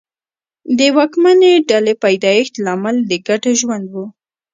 د واکمنې ډلې پیدایښت لامل د ګډ ژوند و